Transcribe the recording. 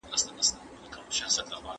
که شاګرد زیار وباسي نو ښه مقاله به ولیکي.